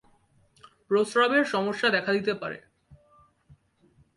প্রস্রাবের সমস্যা দেখা দিতে পারে।